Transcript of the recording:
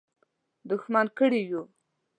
دښمن کړي یو.